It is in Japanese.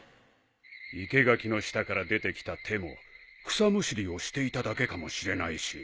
生け垣の下から出てきた手も草むしりをしていただけかもしれないし。